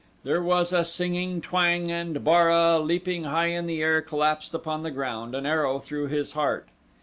There was a singing twang and Bara, leaping high in air, collapsed upon the ground, an arrow through his heart.